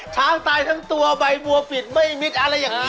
ช้างตายทั้งตัวใบบัวปิดไม่มิดอะไรอย่างนี้